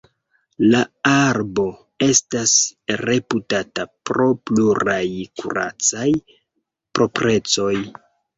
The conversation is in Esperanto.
La arbo estas reputata pro pluraj kuracaj proprecoj.